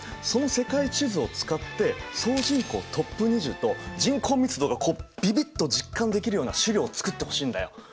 その世界地図を使って総人口トップ２０と人口密度がこうビビッと実感できるような資料を作ってほしいんだよ。